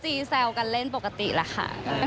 ทีว่าจะให้เลิกกันไหนกินคำน้อย